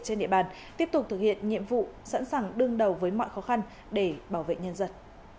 trên địa bàn tiếp tục thực hiện nhiệm vụ sẵn sàng đương đầu với mọi khó khăn để bảo vệ nhân dân